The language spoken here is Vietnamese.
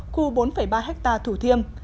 khu bốn ba ha thủ thiêm